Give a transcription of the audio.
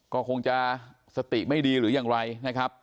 ก็คงจะสติไม่ดีหรือยังไรนะครับ